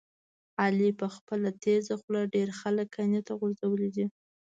علي په خپله تېزه خوله ډېر خلک کندې ته غورځولي دي.